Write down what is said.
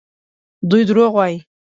دوی دروغ وايي.